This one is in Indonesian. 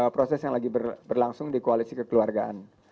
proses yang lagi berlangsung di koalisi kekeluargaan